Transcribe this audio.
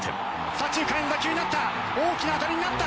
左中間への打球になった。